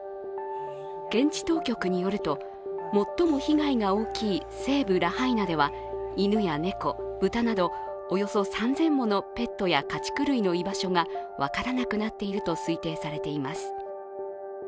現地当局によると、最も被害が大きい西部ラハイナでは犬や猫、豚などおよそ３０００ものペットや家畜類の居場所が分からなくなっていると推定されています。